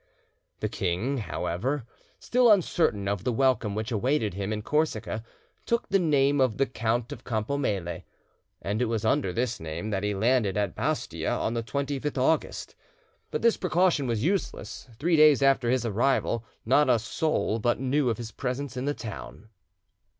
The king, however, still uncertain of the welcome which awaited him in Corsica, took the name of the Count of Campo Melle, and it was under this name that he landed at Bastia on the 25th August. But this precaution was useless; three days after his arrival, not a soul but knew of his presence in the town.